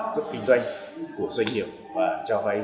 của doanh nghiệp và cho vay